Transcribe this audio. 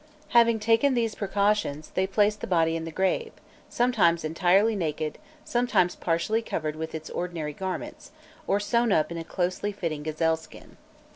Having taken these precautions, they placed the body in the grave, sometimes entirely naked, sometimes partially covered with its ordinary garments, or sewn up in a closely fitting gazelle skin.